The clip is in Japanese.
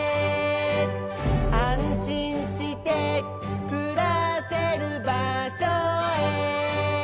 「あんしんしてくらせるばしょへ」